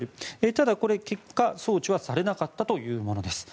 ただ、結果、送致はされなかったというものです。